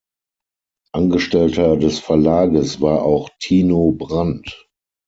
Angestellter des Verlages war auch Tino Brandt.